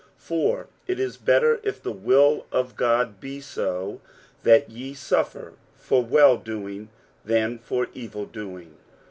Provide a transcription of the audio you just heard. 60:003:017 For it is better, if the will of God be so, that ye suffer for well doing, than for evil doing.